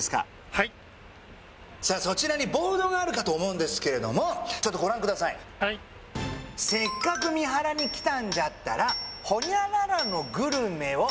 そちらにボードがあるかと思うんですけれどもちょっとご覧ください「せっかく三原に来たんじゃったら」「○○のグルメを」